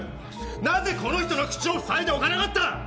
なぜこの人の口を塞いでおかなかった！